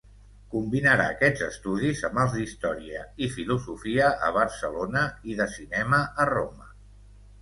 Combinarà aquests estudis amb els d'història i filosofia a Barcelona i de cinema a Roma.